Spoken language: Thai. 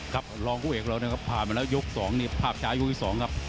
ครับรองผู้เอกเรานะครับผ่านมาแล้วยก๒นี่ภาพช้ายกที่๒ครับ